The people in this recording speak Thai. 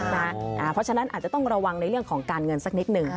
เพราะฉะนั้นอาจจะต้องระวังในเรื่องของการเงินสักนิดหนึ่ง